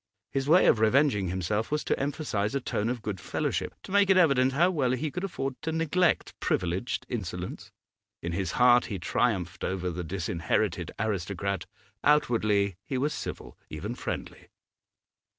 His way of revenging himself was to emphasise a tone of good fellowship, to make it evident how well he could afford to neglect privileged insolence. In his heart he triumphed over the disinherited aristocrat; outwardly he was civil, even friendly.